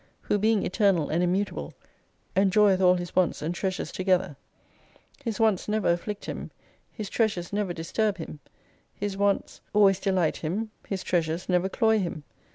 Who being Eternal and Immutable, enjoyeth all His wants and treasures together. His wants never afflict Him, His treasures never disturb Him. His wants always delight 30 Him ; His treasures never cloy Him.